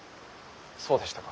そうでしたか。